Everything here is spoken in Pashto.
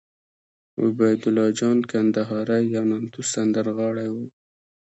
عبیدالله جان کندهاری یو نامتو سندرغاړی وو